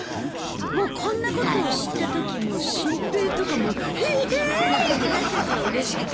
もうこんなことを知った時もうシンペイとかひぇい！ってなったでしょうれしくて。